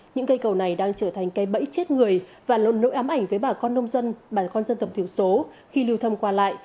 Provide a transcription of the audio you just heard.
những cây cầu này đang trở thành cây bẫy chết người và luôn nỗi ám ảnh với bà con nông dân bà con dân tộc thiểu số khi lưu thông qua lại